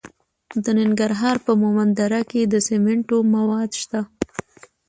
د ننګرهار په مومند دره کې د سمنټو مواد شته.